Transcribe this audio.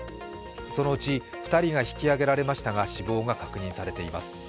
そのうち２人が引き揚げられましたが死亡が確認されています。